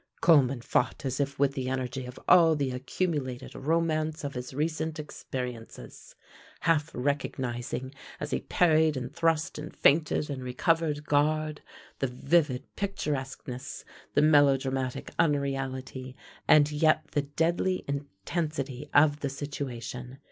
Coleman fought as if with the energy of all the accumulated romance of his recent experiences, half recognizing, as he parried and thrust and feinted and recovered guard, the vivid picturesqueness, the melodramatic unreality, and yet the deadly intensity of the situation.